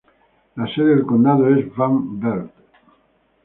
La sede del condado es Van Wert.